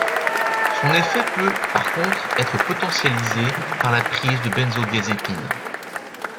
Son effet peut par contre être potentialisé par la prise de benzodiazépines.